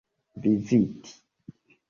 viziti